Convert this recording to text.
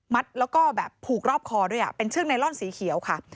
แล้วก็แบบผูกรอบคอด้วยเป็นเชือกไนลอนสีเขียวค่ะ